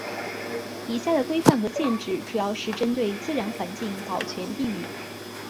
以下的规范和限制主要是针对自然环境保全地域。